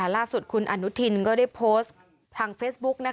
ล่าสุดคุณอนุทินก็ได้โพสต์ทางเฟซบุ๊ก